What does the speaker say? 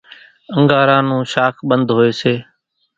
انڳارا نون شاک ٻنڌ هوئيَ سي۔